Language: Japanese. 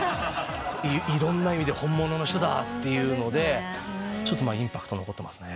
いろんな意味で本物の人だ」ってインパクト残ってますね。